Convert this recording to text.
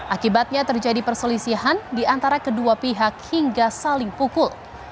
akibatnya terjadi perselisihan di antara kedua pihak hingga saling pukul